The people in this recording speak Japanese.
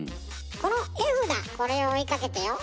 この絵札これを追いかけてよ。